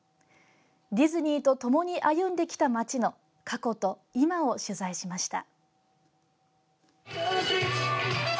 ディズニーとともに歩んできた街の過去と今を取材しました。